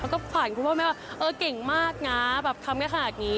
แล้วก็ฝ่ายคุณพ่อแม่ว่าเก่งมากนะทำแค่ขนาดนี้